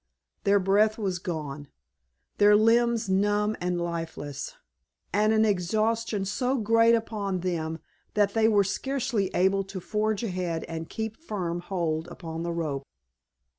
Their breath was gone, their limbs numb and lifeless, and an exhaustion so great upon them that they were scarcely able to forge ahead and keep firm hold upon the rope.